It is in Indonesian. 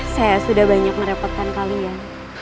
saya sudah banyak merepotkan kalian